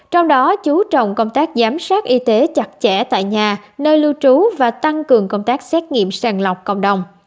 trong đó chú trọng công tác giám sát y tế chặt chẽ tại nhà nơi lưu trú và tăng cường công tác xét nghiệm sàng lọc cộng đồng